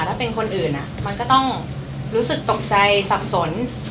ถ้าเป็นคนอื่นมันก็ต้องรู้สึกตกใจสับสน